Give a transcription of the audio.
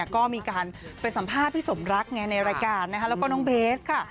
ก็มีการไปสัมภาษณ์พี่สมรักไงในรายการนะคะแล้วก็น้องเบสค่ะ